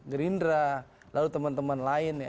gerindra lalu teman teman lain